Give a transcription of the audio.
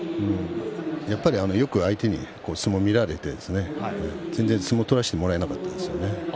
やっぱりよく相手に相撲を見られて全然相撲を取らせてもらえなかったですよね。